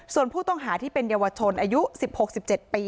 ส่วนผู้ต้องหาที่เป็นเยาวชนอายุ๑๖๑๗ปี